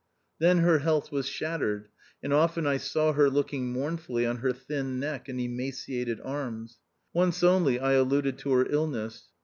Then her health was shattered, and often I saw her looking mournfully on her thin neck and emaciated arms. Once only I alluded to her illness.